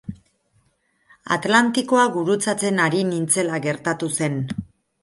Atlantikoa gurutzatzen ari nintzela gertatu zen.